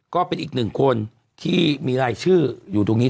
ก็เป็นอีกหนึ่งคนที่มีรายชื่ออยู่ตรงนี้